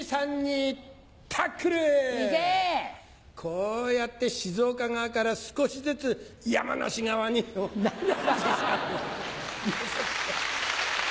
こうやって静岡側から少しずつ山梨側に寄せちゃうよ。